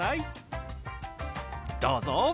どうぞ！